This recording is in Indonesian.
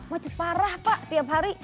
masih parah pak tiap hari